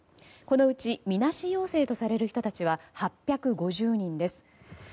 このうちみなし陽性とされる人たちは８５０人です。